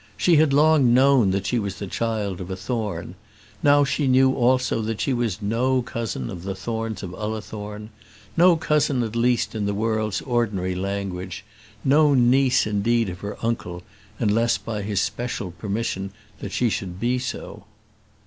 She had long known that she was the child of a Thorne; now she knew also that she was no cousin of the Thornes of Ullathorne; no cousin, at least, in the world's ordinary language, no niece indeed of her uncle, unless by his special permission that she should be so.